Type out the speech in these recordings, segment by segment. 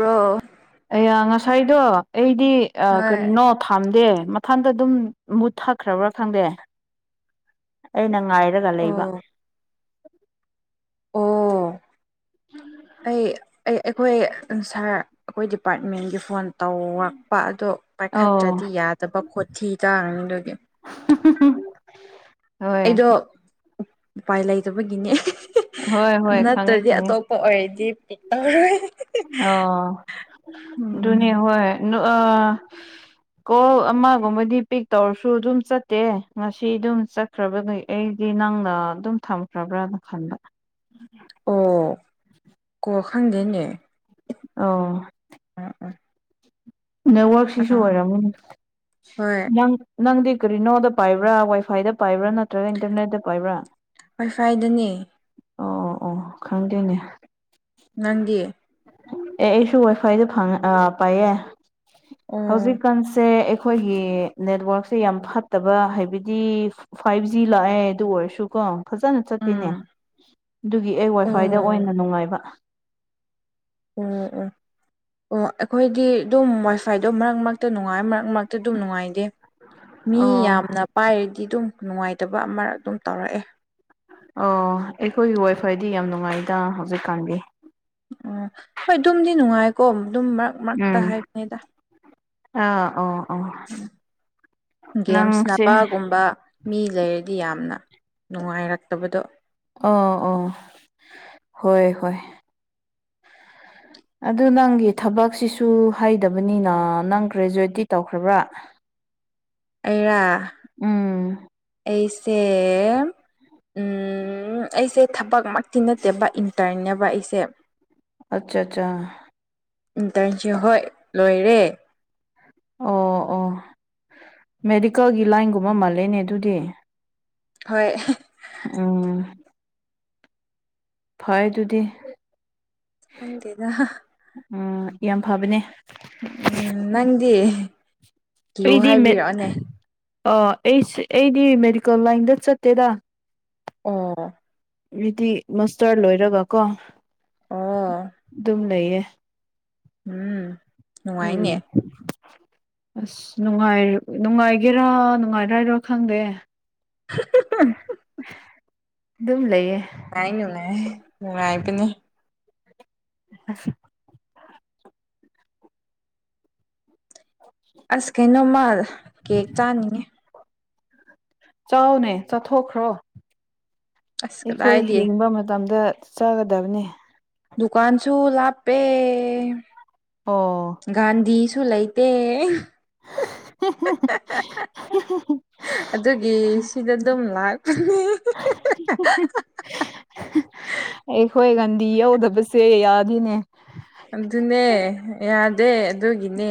ꯔꯣ ꯑ ꯉꯁꯥꯏꯗꯣ ꯑꯩꯗꯤ ꯍꯣꯏ ꯀꯔꯤꯅꯣ ꯊꯥꯝꯗꯦ ꯃꯊꯪꯗ ꯑꯗꯨꯝ ꯃꯨꯠꯊꯥꯈ꯭ꯔꯕ꯭ꯔꯥ ꯈꯪꯗꯦ ꯑꯩꯅ ꯉꯥꯏꯔꯒ ꯂꯩꯕ ꯑꯣ ꯑꯣ ꯑꯩ ꯑꯩꯈꯣꯏ ꯁꯥꯔ ꯑꯩꯈꯣꯏ ꯗꯤꯄꯥꯔꯠꯃꯦꯟꯒꯤ ꯐꯣꯟ ꯇꯧꯔꯛꯄ ꯑꯗꯣ ꯑꯧ ꯄꯥꯏꯈꯠꯇ꯭ꯔꯗꯤ ꯌꯥꯗꯕ ꯈꯣꯠꯊꯤ ꯇꯥꯅꯤ ꯑꯗꯨꯗꯤ ꯍꯣꯏ ꯎꯄꯥꯏ ꯂꯩꯇꯕꯒꯤꯅꯦ ꯍꯣꯏ ꯍꯣꯏ ꯈꯪꯉꯦ ꯅꯠꯇ꯭ꯔꯗꯤ ꯈꯪꯉꯦ ꯑꯇꯣꯞꯄ ꯑꯣꯏꯔꯗꯤ ꯄꯤ ꯇꯔꯣꯏ ꯑ ꯎꯝ ꯅꯤ ꯍꯣꯏ ꯑ ꯀꯣꯜ ꯑꯃꯒꯨꯝꯕꯗꯤ ꯄꯤꯛ ꯇꯧꯔꯁꯨ ꯑꯗꯨꯝ ꯆꯠꯇꯦ ꯉꯁꯤ ꯑꯗꯨꯝ ꯆꯠꯈ꯭ꯔꯕ ꯑꯩ ꯗꯤ ꯅꯪꯅ ꯑꯗꯨꯝ ꯊꯝꯈ꯭ꯔꯕ꯭ꯔꯅ ꯈꯟꯕ ꯑꯣ ꯀꯣ ꯈꯪꯗꯦꯅꯦ ꯑꯣ ꯑꯝ ꯎꯝ ꯅꯦꯠꯋꯔꯛꯁꯤꯁꯨ ꯑꯥ ꯑꯣꯏꯔꯝꯒꯅꯤ ꯍꯣꯏ ꯅꯪ ꯅꯪꯗꯤ ꯀꯔꯤꯅꯣꯗ ꯄꯥꯏꯕ꯭ꯔꯥ ꯋꯥꯏꯐꯥꯏꯗ ꯄꯥꯏꯕ꯭ꯔꯥ ꯅꯠꯇ꯭ꯔꯒ ꯏꯟꯇꯔꯅꯦꯠꯇ ꯄꯥꯏꯕ꯭ꯔꯥ ꯐꯣꯏꯐꯥꯏꯗꯅꯦ ꯑꯣ ꯑꯣ ꯑꯣ ꯈꯪꯗꯦꯅꯦ ꯅꯗꯤ ꯑꯦ ꯑꯩꯁꯨ ꯋꯥꯏꯐꯥꯏꯗ ꯐ ꯄꯥꯏꯌꯦ ꯑꯣ ꯍꯧꯖꯤꯛꯀꯥꯟꯁꯦ ꯑꯩꯈꯣꯏꯒꯤ ꯅꯦꯠꯋꯔꯛꯁꯦ ꯌꯥꯝ ꯐꯠꯇꯕ ꯍꯥꯏꯕꯗꯤ ꯐꯥꯏꯚ ꯖꯤ ꯂꯥꯛꯑꯦ ꯑꯗꯨ ꯑꯣꯏꯔꯁꯨꯀꯣ ꯐꯖꯅ ꯎꯝ ꯆꯠꯇꯦꯅꯦ ꯑꯗꯨꯒꯤ ꯑꯩ ꯑꯣ ꯋꯥꯏꯐꯥꯏꯗ ꯑꯣꯏꯅ ꯅꯨꯡꯉꯥꯏꯕ ꯑꯣ ꯑꯣ ꯑꯣ ꯑꯩꯈꯣꯏꯗꯤ ꯑꯗꯨꯝ ꯋꯥꯏꯐꯥꯏꯗꯣ ꯃꯔꯛ ꯃꯔꯛꯇ ꯅꯨꯡꯉꯥꯏ ꯃꯔꯛ ꯃꯔꯛꯇ ꯑꯗꯨꯝ ꯅꯨꯡꯉꯥꯏꯇꯦ ꯃꯤ ꯑꯣ ꯌꯥꯝꯅ ꯄꯥꯏꯔꯗꯤ ꯑꯗꯨꯝ ꯅꯨꯡꯉꯥꯏꯇꯕ ꯑꯃ ꯑꯗꯨꯝ ꯇꯧꯔꯛꯑꯦ ꯑꯣ ꯑꯩꯈꯣꯏꯒꯤ ꯋꯥꯏꯐꯥꯏꯗꯤ ꯌꯥꯝ ꯅꯨꯡꯉꯥꯏꯗ ꯍꯧꯖꯤꯛꯀꯥꯟꯒꯤ ꯑꯣ ꯍꯣꯏ ꯑꯗꯨꯝꯗꯤ ꯅꯨꯡꯉꯥꯏꯀꯣ ꯑꯗꯨꯝ ꯃꯔꯛ ꯃꯔꯛꯇ ꯎꯝ ꯍꯥꯏꯕꯅꯤꯗ ꯑꯥ ꯑꯣ ꯒꯦꯝꯁ ꯅꯪꯁꯦ ꯅꯄꯥꯒꯨꯝꯕ ꯃꯤ ꯂꯩꯔꯗꯤ ꯌꯥꯝꯅ ꯅꯨꯡꯉꯥꯏꯔꯛꯇꯕꯗꯣ ꯑꯣ ꯑꯣ ꯍꯣꯏ ꯍꯣꯏ ꯑꯗꯨ ꯅꯪꯒꯤ ꯊꯕꯛꯁꯤꯁꯨ ꯍꯩꯗꯕꯅꯤꯅ ꯅꯪ ꯒ꯭ꯔꯦꯖꯨꯋꯦꯠꯇꯤ ꯇꯧꯈ꯭ꯔꯕ꯭ꯔꯥ ꯩꯔ ꯎꯝ ꯑꯩꯁꯦ ꯑꯩꯁꯦ ꯊꯕꯛꯃꯛꯇꯤ ꯅꯠꯇꯦꯕ ꯏꯟꯇꯔꯅꯦꯕ ꯑꯩꯁꯦ ꯑꯆꯥ ꯑꯆꯥ ꯏꯟꯇꯔꯟꯁꯤꯞ ꯍꯣꯏ ꯂꯣꯏꯔꯦ ꯑꯣ ꯑꯣ ꯃꯦꯗꯤꯀꯦꯜꯒꯤ ꯂꯥꯏꯟꯒꯨꯝꯕ ꯃꯥꯜꯂꯦꯅꯦ ꯑꯗꯨꯗꯤ ꯍꯣꯏ ꯎꯝ ꯐꯣꯏ ꯑꯗꯨꯗꯤ ꯍꯗꯦꯗ ꯎꯝ ꯌꯥꯝ ꯐꯕꯅꯦ ꯎꯝ ꯅꯪꯗꯤ ꯂꯨ ꯑꯩꯗꯤ ꯃꯦ ꯍꯥꯏꯕꯤꯔꯛꯑꯣꯅꯦ ꯑ ꯑꯩ ꯑꯩꯗꯤ ꯃꯦꯗꯤꯀꯦꯜ ꯂꯥꯏꯟꯗ ꯆꯠꯇꯦꯗ ꯑꯣ ꯑꯗꯨꯗꯤ ꯃꯁꯇꯔ ꯂꯣꯏꯔꯒ ꯀꯣ ꯑꯣ ꯑꯗꯨꯝ ꯂꯩꯌꯦ ꯎꯝ ꯎꯝ ꯅꯨꯡꯉꯥꯏꯅꯦ ꯑꯁ ꯅꯨꯡꯉꯥꯏ ꯅꯨꯡꯉꯥꯏꯒꯦꯔꯥ ꯅꯨꯡꯉꯥꯏꯔ ꯍꯥꯏꯔꯣꯏ ꯈꯪꯗꯦ [inaudible] ꯑꯗꯨꯝ ꯂꯩꯌꯦ ꯅꯨꯡꯉꯥꯏ ꯅꯨꯡꯉꯥꯏꯕꯅꯤ [unintelligible] ꯑꯁ ꯀꯩꯅꯣ ꯃꯥꯜ ꯀꯦꯛ ꯆꯥꯅꯤꯡꯉ ꯆꯥꯎꯅꯦ ꯆꯠꯊꯣꯛꯈ꯭ꯔꯣ ꯑꯁ ꯑꯩꯈꯣꯏ ꯀꯗꯥꯏꯗꯤ ꯍꯤꯡꯕ ꯃꯇꯝꯗ ꯆꯥꯒꯗꯕꯅꯤ ꯗꯨꯀꯥꯟꯁꯨ ꯂꯥꯞꯄꯦ ꯑꯣ ꯒꯥꯟꯙꯤꯁꯨ ꯂꯩ ꯇꯦ ꯑꯗꯨꯒꯤ ꯁꯤꯗ ꯑꯗꯨꯝ ꯂꯥꯛ ꯑꯦꯈꯣꯏ ꯀꯅꯤ ꯗꯤ ꯌꯥꯎꯗꯕꯁꯦ ꯌꯥꯗꯅꯦ ꯑꯗꯨꯅꯦ ꯌꯥꯗꯦ ꯑꯗꯨꯒꯤꯅꯦ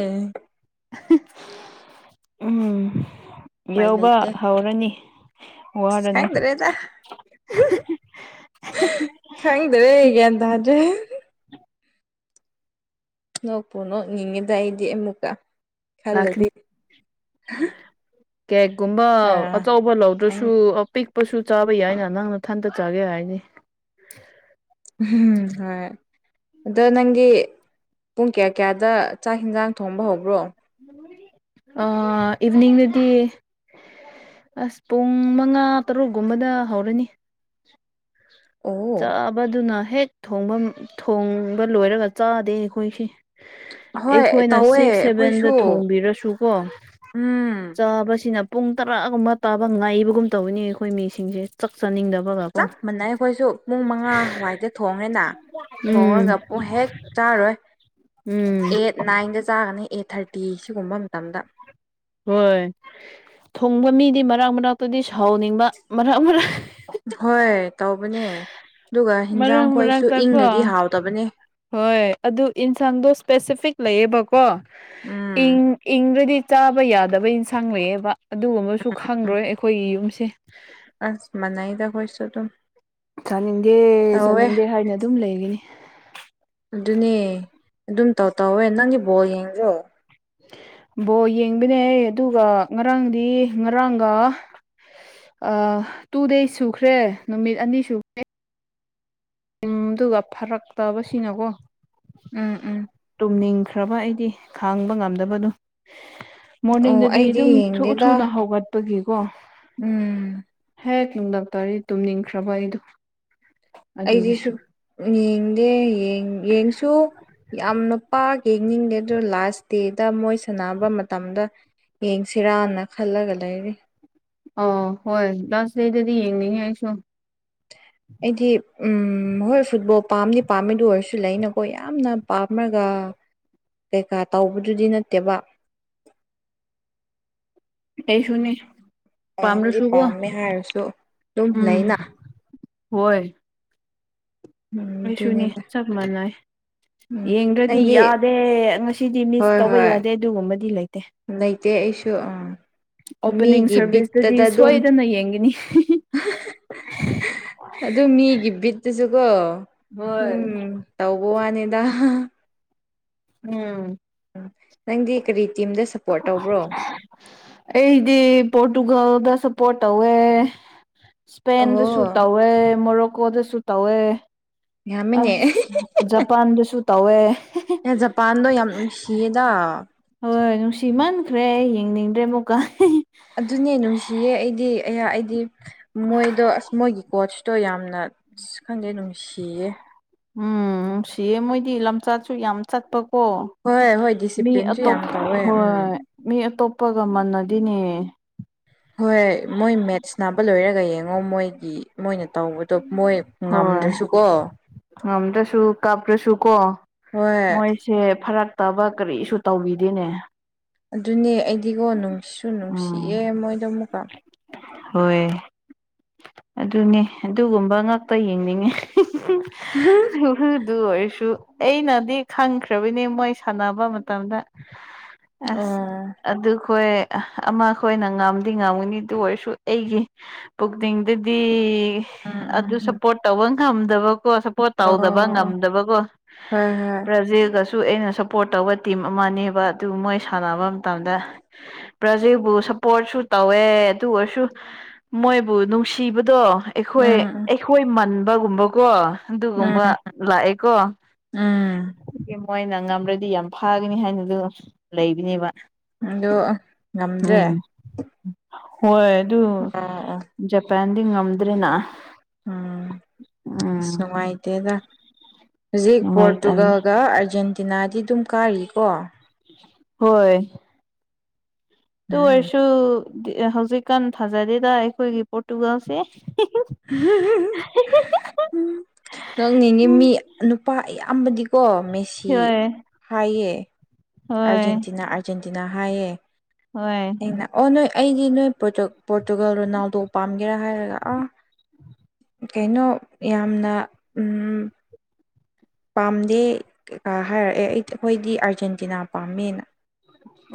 ꯎꯝ ꯎꯄꯥꯏ ꯌꯧꯕ ꯂꯩꯇꯦ ꯍꯧꯔꯅꯤ ꯑꯁ ꯋꯥꯔꯅꯨ ꯈꯪꯗ꯭ꯔꯦ ꯇ ꯈꯪꯗ꯭ꯔꯦ ꯒꯟ ꯇꯥꯗ꯭ꫪ‌ꯦ ꯅꯣꯛꯄꯨ ꯅꯣꯛ ꯅꯤꯡꯉ‌ꯦꯗ ꯑꯩꯏꯗꯤ ꯑꯃꯨꯛꯀ ꯂꯥꯛꯀꯅꯤ ꯈꯜꯂꯗꯤ ꯀꯔꯤꯒꯨꯝꯕ ꯑꯥ ꯑꯆꯧꯕ ꯂꯧꯗ꯭ꯔꯁꯨ ꯑꯄꯤꯛ ꯄꯁꯨ ꯆꯥꯕ ꯌꯥꯏꯅ ꯅꯪ ꯅꯊꯟꯇ ꯆꯥꯒꯦ ꯍꯥꯏꯗꯤ ꯑꯍꯝ ꯍꯣꯏ ꯑꯗꫭ ꯅꯪꯒꯤ ꯄꯨꯡ ꯀꯌꯥ ꯀꯌꯥꯗ ꯆꯥꯛ ꯌꯦꯟꯁꯥꯡ ꯊꯣꯡꯕ ꯍꯧꯕ꯭ꯔꯣ ꯑ ꯏꯚꯤꯅꯤꯡꯗꯗꯤ ꯑꯁ ꯄꯨꯡ ꯃꯉꯥ ꯇꯔꯨꯛꯒꯨꯝꯕꯗ ꯍꯧꯔꯅꯤ ꯑꯣ ꯆꯥꯕꯗꯨ ꯅ ꯍꯦꯛ ꯊꯣꯡꯕ ꯊꯣꯡꯕ ꯂꯣꯏꯔꯒ ꯆꯥꯗꯦ ꯑꯩꯈꯣꯏꯁꯤ ꯍꯣꯏ ꯑꯩꯈꯣꯏꯅ ꯇꯧ ꯁꯤꯛꯁ ꯁꯚꯦꯟꯗ ꯊꯣꯡꯕꯤꯔꯁꯨꯀꯣ ꯎꯝ ꯆꯥꯕꯁꯤꯅ ꯄꯨꯡ ꯇꯔꯥꯒꯨꯝꯕ ꯇꯥꯕ ꯉꯥꯏꯕꯒꯨꯝ ꯇꯧꯋꯤꯅ‌ꯦ ꯑꯩꯈꯣꯏ ꯃꯤꯁꯤꯡꯁꯦ ꯆꯥꯛ ꯆꯥꯅꯤꯡꯗꯕ ꯆꯞ ꯃꯥꯟꯅꯩ ꯑꯩꯈꯣꯏꯁꯨ ꯄꯨꯡ ꯃꯉꯥ ꯋꯥꯏꯗ ꯊꯣꯡꯉꯦꯅ ꯎꯝ ꯊꯣꯡꯔꯒ ꯄꯨꯡ ꯍꯦꯛ ꯆꯥꯔꯣꯏ ꯎꯝ ꯑꯦꯠ ꯅꯥꯏꯟꯗ ꯆꯥꯒꯅꯤ ꯑꯦꯠ ꯊꯥꯔꯇꯤ ꯁꯤꯒꯨꯝꯕ ꯃꯇꯝꯗ ꯍꯣꯏ ꯊꯣꯡꯕ ꯃꯤꯗꯤ ꯃꯔꯥꯛ ꯃꯔꯥꯛꯇꯗꯤ ꯊꯥꯎꯅꯤꯡꯕ ꯃꯔꯛ ꯃꯔꯛ ꯍꯣꯏ ꯇꯧꯕꯅꯦ ꯑꯗꯨꯒ ꯃꯔꯛ ꯍꯤꯟꯖꯥꯡ ꯈꯣꯏꯁꯨ ꯃꯔꯛꯇ ꯀꯣ ꯏꯪꯒꫪꯗꯤ ꯍꯥꯎꯇꯕꯅꯦ ꯍꯣꯏ ꯑꯗꯨ ꯏꯟꯁꯥꯡꯗꫭ ꯏꯁꯄꯦꯁꯤꯐꯤꯛ ꯂꯩꯌꯦꯕꯀꯣ ꯏꯪ ꯎꯝ ꯏꯪꯒ꯭ꫪꯗꯤ ꯆꯥꯕ ꯌꯥꯗꯕ ꯏꯟꯁꯥꯡ ꯂꯩꯌꯦꯕ ꯑꯗꯨꯒꯨꯝꯕꯁꯨ ꯎꯝ ꯈꯪꯗ꯭ꯔꯣꯏ ꯑꯩꯈꯣꯏꯒꯤ ꯌꯨꯝꯁꯦ ꯑꯁ ꯃꯟꯅꯥꯏꯗ ꯑꯩꯈꯣꯏꯁꯨ ꯑꯗꯨꯝ ꯆꯥꯅꯤꯡꯗꯦ ꯇꯧꯋꯦ ꯆꯥꯅꯤꯡꯗꯦ ꯍꯥꯏꯅ ꯑꯗꯨꯝ ꯂꯩꯒꯤꯅꯤ ꯑꯗꯨꯅꯦ ꯑꯗꯨꯝ ꯇꯧ ꯇꯧꯋ‌ꯦ ꯅꯪꯗꯤ ꯕꫭꯜ ꯌꯦꯗ꯭ꫪꫭ ꯕꯣꯜ ꯌꯦꯡꯕꯅꯦ ꯑꯗꯨꯒ ꯉꯔꯥꯡꯗꯤ ꯉꯔꯥꯡꯒ ꯑ ꯇꯨ ꯗꯦꯁ ꯁꯨꯈ꯭ꯔꯦ ꯅꯨꯃꯤꯠ ꯑꯅꯤ ꯁꯨꯈ꯭ꯔꯦ ꯎ ꯑꯗꯨꯒ ꯐꯔꯛꯇꯕꯁꯤꯅꯀꯣ ꯎꯝ ꯎꯝ ꯈ꯭ꯔꯕ ꯑꯩꯗꯤ ꯈꯥꯡꯕ ꯉꯝꯗꯕꯗꫭ ꯑꯣ ꯃꯣꯔꯅꯤꯡꯗꯗꯤ ꯑꯩꯗꯤ ꯑꯗꯨꯝ ꯊꯨ ꯌꯦꯡꯗꯦꯗ ꯊꯨꯅ ꯍꯧꯒꯠꯄꯒꯤ ꯎꯝ ꯍꯦꯛ ꯅꯨꯡꯗꯥꯥꯛ ꯇꯔꯤ ꯇꯨꯝꯅꯤꯡꯈ꯭ꯔꯕ ꯑꯩꯗꯣ ꯑꯩꯗꯤ ꯑꯗꯨꯒꯤ ꯁꯨꯛ ꯌꯦꯡꯗꯦ ꯌ‌‍ꯡ ꯌꯦꯡꯁꯨ ꯌꯥꯝꯅ ꯄꯥꯛ ꯌꯦꯡꯅꯤꯡꯗꯦ ꯑꯗꯨ ꯂꯥꯁ ꯗꯦꯗ ꯃꯣꯏ ꯁꯥꯟꯅꯕ ꯃꯇꯝꯗ ꯌꯦꯡꯁꯤꯔꯥꯅ ꯈꯜꯂꯒ ꯂꯩꯔꯤ ꯑ ꯍꯣꯏ ꯂꯁꯗ‌ꯦꯗꯗꯤ ꯌꯦꯡꯅꯤꯡꯉꯤ ꯑꯩꯁꯨ [unintelligible] ꯑꯩꯗꯤ ꯑꯩ ꯍꯣꯏ ꯐꯨꯠꯕꯣꯜ ꯄꯥꯝꯗꯤ ꯄꯥꯝꯃꯤ ꯑꯗꯨ ꯑꯣꯏꯔꯁꯨ ꯂꯩꯅꯀꯣ ꯌꯥꯝꯅ ꯄꯥꯝꫪꯒ ꯀꯩꯀꯥ ꯇꯧꯕꯗꯨꯗꯤ ꯅꯠꯇꯦꯕ ꯑꯩꯁꯨꯅꯤ ꯄꯥꯝꯗꯤ ꯄꯥꯝꯃꯦ ꯍꯥꯏꯔꯁꯨ ꯑꯗꯨꯝ ꯎꯝ ꯂꯩꯅ ꯍꯣꯏ ꯎꯝ ꯑꯩꯁꯨꯅꯤ ꯑꯗꯨꯅꯦꯗ ꯆꯞ ꯃꯟꯅꯩ ꯎꯝ ꯌꯦꯡꯗ꯭ꯔꯗꯤ ꯅꯪꯗꯤ ꯌꯥꯗꯦ ꯉꯁꯤꯗꯤ ꯃꯤꯁ ꯍꯣꯏ ꯇꯧꯕ ꯍꯣꯏ ꯌꯥꯗꯦ ꯑꯗꯨꯒꯨꯝꯕꯗꯤ ꯂꯩ ꯂꯩꯇꯦ ꯑꯩꯁꯨ ꯑꯥ ꯑꯣꯞꯄꯅꯤꯡ ꯃꯤꯒꯤ ꯁꯔꯚꯤꯁꯇꯗꯤ ꯕꯤꯠꯇꯗ ꯑꯗꯨꯝ ꯁꯣꯏꯗꯅ ꯌꯦꯡꯒꯅꯤ ꯑꯗꯨ ꯃꯤꯒꯤ ꯕꯤꯠꯇꯨꯁꯨꯀꯣ ꯍꯣꯏ ꯎꯝ ꯇꯧꯕ ꯋꯥꯅꯤꯗ ꯎꯝ ꯅꯪꯗꯤ ꯀ ꯔꯔꯤ ꯑꯩꯗꯤ ꯄꯣꯣꯔꯇꯨꯒꯜꯗ ꯁ ꯄꯣꯔꯠ ꯇꯧꯋꯦ ꯏꯁꯄꯦꯟꯗꯁꯨ ꯑꯣ ꯇꯧꯋꯦ ꯃꯣꯔꯣꯛꯀꯣꯗꯁꯨ ꯇꯧꯋꯦ ꯌꯥꯝꯃꯤꯅꯦ ꯑꯁ ꯖꯄꯥꯟꯗꯁꯨ ꯇꯧꯋꯦ ꯑꯦ ꯖꯄꯥꯟꯗꯣ ꯌꯥꯝ ꯅꯨꯡꯁꯤꯌꯦꯗ ꯍꯣꯏ ꯅꯨꯡꯁꯤ ꯃꯟꯈ꯭ꯔꯦ ꯌꯦꯡꯅꯤꯡꯗ꯭ꯔꯦ ꯑꯃꯨꯛꯀꯥꯏ ꯑꯗꯨꯅꯦ ꯅꯨꯡꯁꯤꯌꯦ ꯑꯩꯗꯤ ꯑꯩꯍꯥꯛ ꯑꯩꯗꯤ ꯃꯣꯏꯗꯣ ꯑꯁ ꯃꯣꯏꯒꯤ ꯀꯣꯆ ꯇꯣ ꯌꯥꯝꯅ ꯈꯪꯗꯦ ꯅꯨꯡꯁꯤꯌꯦ ꯎꯝ ꯁꯤꯌꯦ ꯃꯣꯏꯗꯤ ꯂꯝꯆꯠꯁꯨ ꯌꯥꯝ ꯆꯠꯄ ꯍ ꯍꯣꯏ ꯍꯣꯏ ꯃꯤ ꯗꯤꯁꯤꯄ꯭ꯂꯤꯟꯁꯨ ꯑꯇꯣꯞ ꯌꯥꯝ ꯇꯧꯋꯦ ꯍ ꯎꯝ ꯃꯤ ꯑꯇꯣꯞ ꯎꯄꯒ ꯃꯅꯗꯤꯅꯦ ꯍꯣꯏꯣꯏ ꯃꯣꯏ ꯃꯦꯠꯁ ꯅꯥꯕ ꯂꯣꯏꯔꯒ ꯌꯦꯡꯉꯣ ꯃꯣꯏꯒꯤ ꯃꯣꯏꯅ ꯇꯧꯕꯗꯣ ꯃꯣꯏ ꯍꯣꯏ ꯉꯝꯗ꯭ꯔꯁꯨꯀꯣ ꯉꯝꯗ꯭ꯔꯁꯨ ꯀꯥꯞꯇ꯭ꯔꯁꯨ ꯀꯣ ꯍꯣꯏ ꯃꯣꯏꯁꯦ ꯐꯔꯠ ꯠꯇꯕ ꯀꯔꯤꯁꯨ ꯇꯧꯕꯤꯗꯦꯅꯦ ꯑꯗꯨꯅꯦ ꯑꯩꯗꯤꯒꯣ ꯅꯨꯡꯁꯤꯁꯨ ꯎꯝ ꯅꯨꯡꯁꯤꯑꯦ ꯃꯣꯏꯗꯣ ꯑꯃꯨꯛꯀ ꯍꯣꯏ ꯑꯗꯨꯅꯦ ꯑꯗꯨꯒꯨꯝꯕ ꯉꯥꯛꯇ ꯌꯦꯡꯅꯤꯡꯉꯦ ꯎ ꯑꯗꯨ ꯑꯣꯏꯣꯏꯁꯨ ꯑꯩꯅꯗꯤ ꯈꯪꯈ꯭ꯔꯕꯅꯦ ꯃꯣꯏ ꯁꯥꯟꯅꯕ ꯃꯇꯝꯗ ꯑꯁ ꯑꯣ ꯑꯗꯨꯈꯣꯏ ꯑꯃ ꯑꯩꯈꯣꯏꯅ ꯉꯥꯝꯗꯤ ꯉꯥꯝꯒꯅꯤ ꯑꯗꯨ ꯑꯣꯏꯔꯁꯨ ꯑꯩꯒꯤ ꯄꯨꯛꯅꯤꯡꯗꯗꯤ ꯎꯝ ꯑꯗꯨ ꯎꯝ ꯁꯞꯄꯣꯔꯠ ꯇꯧꯕ ꯉꯝꯗꯕ ꯀꯣ ꯁꯞꯄꯣꯔꯠ ꯇꯧꯗꯕ ꯑꯣ ꯉꯝꯗꯕ ꯀꯣ ꯍꯣꯏ ꯍꯣꯏ ꯄ꯭ꯔꯖꯦꯒ ꯁꯨ ꯑꯩꯅ ꯁꯞꯄꯣꯔꯠ ꯇꯧꯕ ꯇꯤꯝ ꯑꯃꯅꯦꯕ ꯑꯗꯨ ꯃꯣꯏ ꯁꯥꯟꯅꯕ ꯃꯇꯝꯗ ꯕ꯭ꯔꯖꯤꯛꯕꯨ ꯁꯄꯣꯔꯠꯁꯨ ꯇꯧꯋꯦ ꯑꯗꯨ ꯑꯣꯏꯔꯁꯨ ꯃꯣꯏꯕꯨ ꯅꯨꯡꯁꯤ ꯁꯤꯕꯗꯣ ꯑꯩꯈꯣꯏ ꯎꯝ ꯑꯩꯈꯣꯏ ꯃꯟꯕꯒꯨꯝꯕꯀꯣ ꯎꯝ ꯑꯗꯨꯒꯨꯝꯕ ꯂꯥꯛꯑꯦꯀꯣ ꯎꯝ ꯃꯣꯏꯅ ꯉꯝ꯭ꯔꯗꯤ ꯌꯥꯝ ꯐꯥꯒꯅꯤ ꯍꯥꯏꯅꯗꯨ ꯂꯩꯕꯅꯦꯕ ꯑꯣ ꯉꯝꯗ꯭ꯔꯦ ꯎꯝ ꯍꯣꯏ ꯑꯗꯨ ꯑꯣ ꯑꯣ ꯖꯄꯥꯟꯗꯤ ꯉꯝꯗ꯭ꯔꯦꯅ ꯎꯝ ꯑꯁ ꯎꯝ ꯅꯨꯡꯉꯥꯏꯇꯦꯗ ꯍꯧꯖꯤꯛ ꯅꯨꯡꯉꯥꯏꯇꯕꯅꯤ ꯄꯣꯔꯇꯨꯒꯜꯒ ꯑꯥꯔꯖꯦꯟꯇꯤꯅꯥꯗꯤ ꯑꯗꯨꯝ ꯀꯥꯔꯤꯀꯣ ꯍꯣꯏ ꯇ ꯎꯝ ꯑꯣꯏꯔꯁꯨ ꯍꯧꯖꯤꯛꯀꯥꯟ ꯊꯥꯖꯗꯦꯗ ꯑꯩꯈꯣꯏꯒꯤ ꯄꯣꯔꯇꯨꯒꯥꯜꯁꯦ ꯎ ꯅꯪꯅꯤꯡꯉꯤ ꯃꯤ ꯅꯨꯄꯥ ꯑꯌꯥꯝꯕꯗꯤ ꯀꯣ ꯃꯦꯁꯤ ꯍꯣꯏ ꯍꯥꯏꯌꯦ ꯍꯣꯏ ꯑꯔꯖꯦꯟꯇꯤꯅꯥ ꯑꯥꯔꯖꯦꯟꯇꯤꯅꯥ ꯍꯥꯏꯌꯦ ꯍꯣꯏ ꯑꯩꯅ ꯑꯣ ꯅꯣꯏ ꯑꯩꯗꯤ ꯅꯣꯏ ꯄꯣꯔꯇꯨꯒꯜ ꯔꯣꯅꯥꯜꯗꯣ ꯄꯥꯝꯒꯦꯔꯥ ꯍꯥꯏꯔꯒ ꯑꯥ ꯀꯩꯅꯣ ꯌꯥꯝꯅ ꯄꯥꯝꯗꯦ ꯀꯀꯥ ꯍꯥꯏꯔꯛꯑꯦ ꯑꯩ ꯑꯩꯈꯣꯏꯗꯤ ꯑꯥꯔꯖꯦꯟꯇꯤꯅꯥ ꯄꯥꯝꯃꯦꯅ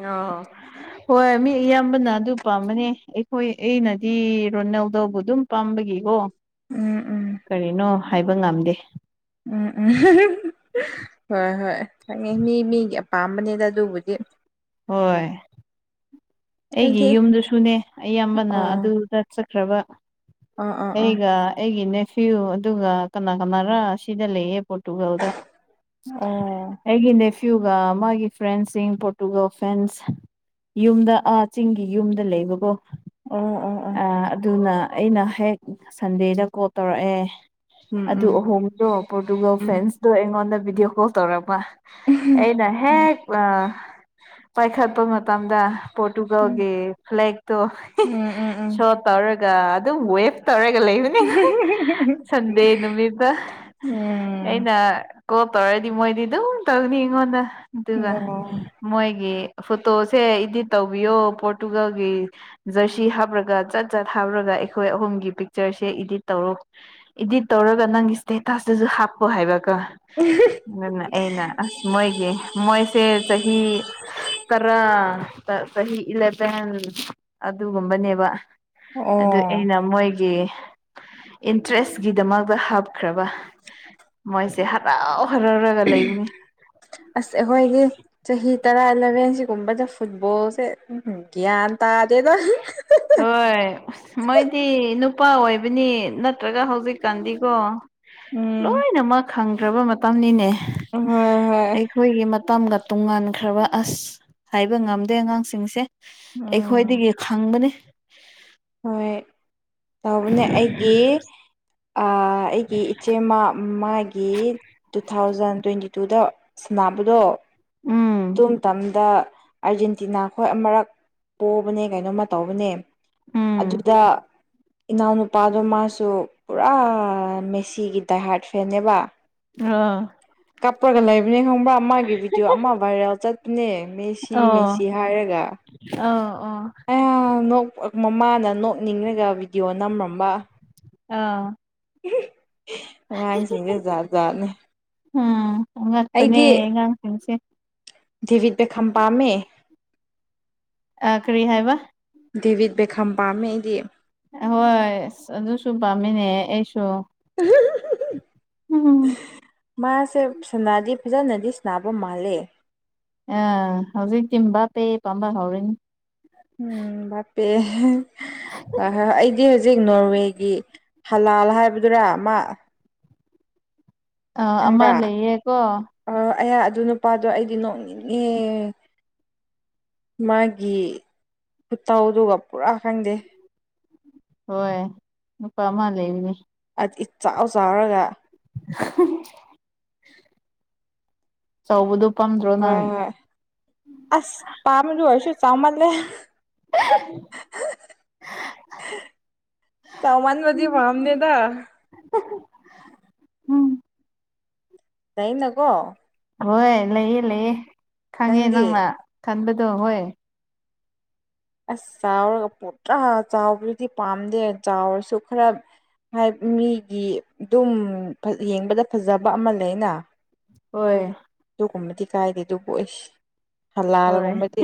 ꯑ ꯍꯣꯏ ꯃꯤ ꯑꯌꯥꯝꯕꯅ ꯑꯗꯨ ꯄꯥꯝꯕꯅꯦ ꯑꯩꯈꯣꯏ ꯑꯩꯅꯗꯤ ꯔꯣ ꯏꯩꯅꯧꯗꯧꯕ ꯑꯗꯨꯝ ꯄꯥꯝꯕꯒꯤꯀꯣ ꯎꯝ ꯎꯝ ꯀꯔꯤꯅꯣ ꯍꯥꯏꯕ ꯉꯝꯗꯦ ꯎꯝ ꯎꯝ ꯍꯣꯏ ꯍꯣꯏ ꯈꯪꯉꯦ ꯃꯤ ꯃꯤꯒꯤ ꯑꯄꯥꯝꯕꯅꯤꯗ ꯑꯗꯨꯕꯨꯗꯤ ꯍꯣꯏ ꯑꯩꯒꯤ ꯑꯩꯗꯤ ꯌꯨꯝꯗꯨꯁꯨꯅꯦ ꯑꯌꯥꯝꯕꯅ ꯑꯣ ꯑꯗꯨꯗ ꯆꯠꯈ꯭ꯔꯕ ꯑꯥ ꯑꯥ ꯑꯥ ꯑꯩꯒ ꯑꯩꯒꯤ ꯅꯦꯐꯤꯌꯨ ꯑꯗꯨꯒ ꯀꯅꯥ ꯀꯅꯥꯔꯥ ꯁꯤꯗ ꯂꯩꯌꯦ ꯄꯣ ꯇꯨꯋꯦꯜꯗ ꯑꯣ ꯑꯩꯒꯤꯅꯦ ꯀ꯭ꯌꯨꯒ ꯃꯥꯒꯤ ꯐ꯭ꯔꯦꯟꯁꯤꯡ ꯄꯣꯔꯇꯨꯒꯜ ꯐ꯭ꯔꯦꯟꯁ ꯌꯨꯝꯗ ꯑ ꯆꯤꯡꯒꯤ ꯌꯨꯝꯗ ꯂꯩꯕꯀꯣ ꯑꯣ ꯑꯣ ꯑꯣ ꯑ ꯑꯗꯨꯅ ꯑꯩꯅ ꯍꯦꯛ ꯁꯟꯗꯦꯗ ꯀꯣꯜ ꯇꯧꯔꯛꯑꯦ ꯎꯝ ꯑꯗꯨ ꯎꯝ ꯑꯍꯣꯡꯗꯣ ꯄꯣꯔꯇꯨꯒꯜ ꯎꯝ ꯐꯦꯟꯁꯇꯣ ꯑꯩꯉꯣꯟꯗ ꯚꯤꯗꯤꯑꯣ ꯀꯣꯜ ꯇꯧꯔꯛꯄ ꯎꯝ ꯑꯩꯅ ꯍꯦꯛ ꯄꯥꯏꯈꯠꯄ ꯃꯇꯝꯗ ꯎꯝ ꯄꯣꯔꯇꯨꯒꯜꯒꯤ ꯐ꯭ꯂꯦꯛ ꯇꯣ ꯎꯝ ꯎꯝ ꯎꯝ ꯁꯣ ꯇꯧꯔꯒ ꯑꯗꯨꯝ ꯋꯦꯚ ꯇꯧꯔꯒ ꯂꯩꯕꯅꯤꯅ ꯁꯟꯗꯦ ꯅꯨꯃꯤꯠꯇ ꯎꯝ ꯑꯩꯅ ꯀꯣꯞ ꯇꯧꯔꯗꯤ ꯃꯣꯏꯗꯤ ꯑꯗꯨꯝ ꯇꯧꯅꯤ ꯑꯩꯉꯣꯟꯗ ꯑꯗꯨꯒ ꯑꯣ ꯃꯣꯏꯒꯤ ꯐꯣꯇꯣꯁꯦ ꯏꯗꯤꯠ ꯇꯧꯕꯤꯌꯣ ꯄꯣꯔꯇꯨꯒꯜꯒꯤ ꯖꯔꯁꯤ ꯁꯤ ꯍꯥꯞꯄꯔꯒ ꯆꯠ ꯆꯠ ꯍꯥꯞꯔꯒ ꯑꯩꯈꯣꯏ ꯑꯍꯨꯝꯒꯤ ꯄꯤꯛꯆꯔꯁꯦ ꯏꯗꯤꯠ ꯇꯧꯔꯣ ꯏꯗꯤꯠ ꯇꯧꯔꯒ ꯅꯪꯒꯤ ꯏꯁꯇꯦꯇꯥꯁꯇꯁꯨ ꯍꯥꯞꯄꯣ ꯍꯥꯏꯕꯀ ꯑꯗꯨꯅ ꯑꯩꯅ ꯑꯁ ꯃꯣꯏꯒꯤ ꯃꯣꯏꯁꯦ ꯆꯍꯤ ꯇꯔꯥ ꯆꯍꯤ ꯏꯂꯚꯦꯟ ꯑꯗꯨꯒꯨꯝꯕꯅꯦꯕ ꯑꯗꯨ ꯑꯣ ꯑꯩꯅ ꯃꯣꯏꯒꯤ ꯏꯟꯇꯔꯦꯁꯀꯤꯗꯃꯛꯇ ꯍꯥꯞꯈ꯭ꯔꯕ ꯃꯣꯏꯁꯦ ꯍꯔꯥꯎ ꯍꯔꯥꯎꯔꯒ ꯂꯩꯕꯅꯤ ꯑꯁ ꯑꯩꯈꯣꯏꯗꯤ ꯆꯍꯤ ꯇꯔꯥ ꯑꯦꯂꯚꯦꯟ ꯁꯤꯒꯨꯝꯕꯗ ꯐꯨꯠꯕꯣꯜꯁꯦ ꯒ꯭ꯌꯥꯟ ꯇꯥꯗꯦꯗ ꯍꯣꯏ ꯃꯣꯏꯗꯤ ꯅꯨ ꯅꯨꯄꯥ ꯑꯣꯏꯕꯅꯤ ꯅꯠꯇ꯭ꯔꯒ ꯍꯧꯖꯤꯛꯀꯥꯟꯗꯤꯀꯣ ꯎꯝ ꯂꯣꯏꯅꯃꯛ ꯈꯪ ꯈ꯭ꯔꯕ ꯃꯇꯝꯅꯤꯅꯦ ꯍꯣꯏ ꯍꯣꯏ ꯝꯒ [unintelligible] ꯇꯣꯉꯥꯟꯈ꯭ꯔꯕ ꯑꯁ ꯍꯥꯏꯕ ꯉꯝꯗꯦ ꯑꯉꯥꯡꯁꯤꯡꯁꯦ ꯎꯝ ꯑꯩꯈꯣꯏꯗꯒꯤ ꯈꯪꯕꯅꯤ ꯍꯣꯏ ꯇꯧꯕꯅꯦ ꯑꯩꯒꯤ ꯑꯩꯒꯤ ꯏꯆꯦꯃ ꯃꯥꯒꯤ ꯇꯨ ꯊꯥꯎꯖꯟ ꯊꯥꯎꯖꯟ ꯇ꯭ꯋꯦꯟꯇꯤ ꯇꯨꯗ ꯁꯅꯕꯗꯣ ꯎꯝ ꯑꯇꯨꯝꯇꯝꯗ ꯑꯥꯔꯖꯦꯟꯇꯤꯅꯥ ꯈꯣꯏ ꯑꯃꯛ ꯄꯣꯕꯅꯦ ꯀꯩꯅꯣꯝꯃ ꯇꯧꯕꯅꯦ ꯎꯝ ꯑꯗꯨꯗ ꯏꯅꯥꯎꯅꯨꯄꯥꯗꯣ ꯃꯥꯁꯨ ꯄꯨꯔꯥ ꯃꯦꯁꯤꯒꯤ ꯗꯥꯏꯍꯔꯠ ꯐꯦꯟꯅꯦꯕ ꯑꯥ [unintelligible] [unintelligible] ꯔꯒ ꯂꯩ ꯅꯅꯦ ꯈꯪꯕ꯭ꯔꯥ ꯃꯥꯒꯤ ꯚꯤꯗꯤꯑꯣ ꯑꯃ ꯚꯥꯏꯔꯦꯜ ꯆꯠꯄꯅꯦ ꯃꯦꯁꯤ ꯑꯣ ꯃꯦꯁꯤ ꯍꯥꯏꯔꯒ ꯑꯣ ꯑꯣ ꯑꯌꯥ ꯅꯣꯛ ꯃꯃꯥꯅ ꯅꯣꯛꯅꯤꯡꯉꯒ ꯚꯤꯗꯤꯑꯣ ꯅꯝꯔꯝꯕ ꯑꯥ ꯎ [unintelligible] ꯑꯉꯥꯡꯁꯤꯡꯁꯦꯖꯥꯠ ꯖꯥꯠꯅꯦ ꯎꯝ ꯑꯉꯛꯄꯅꯦ ꯑꯩꯗꯤ ꯑꯉꯥꯡꯁꯤꯡꯁꯦ [unintelligible] ꯙꯤꯚꯤꯠ ꯕꯦꯈꯝ ꯄꯥꯝꯃꯦ [unintelligible] ꯀꯔꯤ ꯍꯥꯏꯕ ꯗꯤꯕꯤꯠ ꯕꯦꯈꯝ ꯄꯥꯝꯃꯦ ꯑꯩꯗꯤ ꯍꯣꯏ ꯑꯗꯨꯁꯨ ꯄꯥꯝꯃꯤꯅꯦ ꯑꯩꯁꯨ ꯎꯝ [unintelligible] ꯃꯥꯁꯦ ꯁꯅꯥꯗꯤ ꯐꯖꯅꯗꯤ ꯁꯅꯥꯕ ꯃꯥꯜꯂꯦ ꯑ ꯍꯧꯖꯤꯛ ꯇꯤꯟꯕꯥ ꯄꯦ ꯄꯥꯝꯕ ꯍꯧꯔꯦꯅꯦ ꯎꯝ ꯕꯥꯄꯦ ꯑꯩꯗꯤ ꯍꯧ [unintelligible] ꯍꯧꯖꯤꯛ ꯅꯣꯔꯋꯦꯒꯤ ꯍꯂꯥꯜ ꯍꯥꯏꯕꯗꯨꯔꯥ ꯃꯥ ꯑ ꯑꯃ ꯂꯩꯌꯦꯀꯣ ꯑꯌꯥ ꯑꯗꯨ ꯅꯨꯄꯥꯗꯣ ꯑꯩꯗꯤ ꯅꯣꯛꯅꯤꯡꯉꯦ ꯃꯥꯒꯤ ꯈꯨꯠꯇꯥꯎꯗꯨꯒ ꯄꯨꯔꯥ ꯈꯪꯗꯦ ꯍꯣꯏ ꯅꯨꯄꯥꯃ ꯂꯩꯅꯤ ꯆꯥꯎꯥꯛ ꯆꯥꯎꯔꯒ ꯁꯧꯕꯨꯗꯨ ꯍꯣꯏ ꯍꯣꯏ ꯑꯁ ꯄꯥꯃ ꯑꯣꯏꯁꯨ ꯆꯃꯜ ꯂ ꯑ ꯆꯃꯅ ꯃꯗꯤ ꯋꯥꯝ ꯅ ꯊ ꯎꯝ ꯅꯥꯏꯅ ꯀꯣ ꯍꯣꯏ ꯂꯩꯌꯦ ꯂꯩꯌꯦ ꯈꯪꯉꯦ ꯅꯪꯗꯤ ꯅꯪꯅ ꯈꯟꯕꯗꯣ ꯍꯣꯏ ꯑꯁ ꯆꯥꯎꯔꯒ ꯄꯣꯠꯇ꯭ꯔꯥ ꯆꯥꯎꯕꯗꯨꯗꯤ ꯄꯥꯝꯗꯦ ꯆꯥꯎꯔꯁꯨ ꯈꯔ ꯍꯥꯏ ꯃꯤꯒꯤ ꯑꯗꯨꯝ ꯌꯦꯡꯕꯗ ꯐꯖꯕ ꯑꯃ ꯂꯩꯅ ꯍꯣꯏ ꯨꯝꯕꯗꯤ ꯀꯥꯏꯗꯦ ꯑꯗꯨꯕꯨ ꯑꯩꯁ ꯍꯣꯏ ꯍꯂꯥꯜꯒꯨꯝꯕꯗꯤ